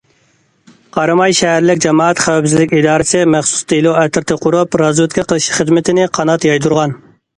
قاراماي شەھەرلىك جامائەت خەۋپسىزلىك ئىدارىسى مەخسۇس دېلو ئەترىتى قۇرۇپ رازۋېدكا قىلىش خىزمىتىنى قانات يايدۇرغان.